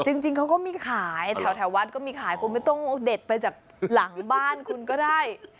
จริงเขาก็มีขายแถววัดก็มีขายคุณไม่ต้องเอาเด็ดไปจากหลังบ้านคุณก็ได้